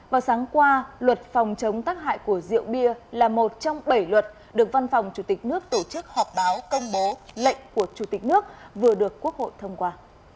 vào sáng qua luật phòng chống tác hại của rượu bia là một trong bảy luật được văn phòng chủ tịch nước tổ chức họp báo công bố lệnh của chủ tịch nước vừa được quốc hội thông qua